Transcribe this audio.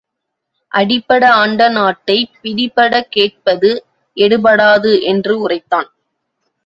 அடிப்பட ஆண்ட நாட்டைப் பிடிபடக் கேட்பது எடுபடாது என்று உரைத்தான்.